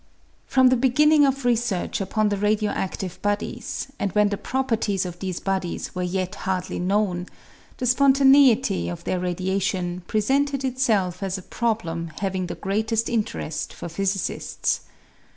From the beginning of research upon the radio adlive bodies, and when the properties of these bodies were j'et hardly known, the spontaneity of their radiation presented itself as a problem having the greatest interest for physicists.